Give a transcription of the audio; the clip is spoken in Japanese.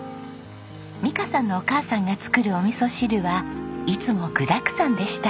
美香さんのお母さんが作るおみそ汁はいつも具だくさんでした。